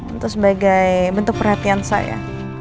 itu sebagai bentuk perhatian saya